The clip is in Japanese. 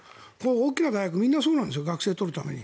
大きな大学はみんなそうですよ学生を取るために。